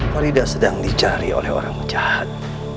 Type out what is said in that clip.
horida sedang dicari oleh orang jahat